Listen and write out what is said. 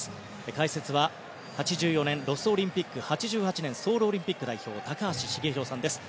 解説は、８４年ロスオリンピック８８年ソウルオリンピック代表高橋繁浩さんです。